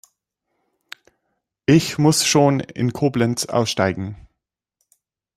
Ich muss schon in Koblenz aussteigen